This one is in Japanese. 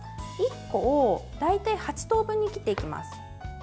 １個を大体８等分に切っていきます。